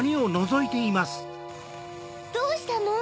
どうしたの？